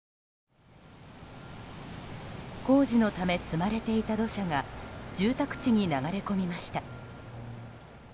工事のため積まれていた土砂が住宅地に流れ込みました。